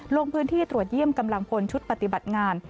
ลงพื้นที่ตรวจเยี่ยมกำลังพลชุดปฏิบัติงาน